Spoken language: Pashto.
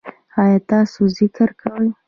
ایا تاسو ذکر کوئ؟